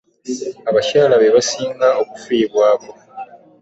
Abakyala be basinga okufiibwako.